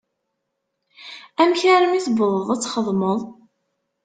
Amek armi i tewwḍeḍ ad txedmeḍ?